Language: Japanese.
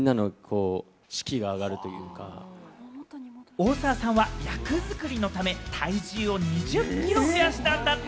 大沢さんは役作りのため体重を２０キロ増やしたんだって。